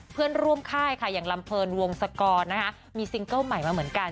เพื่อนร่วมค่ายค่ะอย่างลำเพลินวงศกรนะคะมีซิงเกิ้ลใหม่มาเหมือนกัน